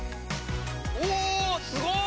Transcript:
うおすごい！